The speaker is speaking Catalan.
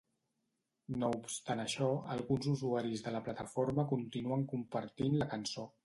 No obstant això, alguns usuaris de la plataforma continuen compartint la cançó.